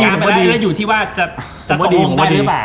กินการไปได้แล้วอยู่ที่ว่าจะตรงห้องได้หรือเปล่า